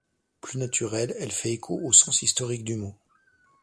Plus naturelle, elle fait écho au sens historique du mot.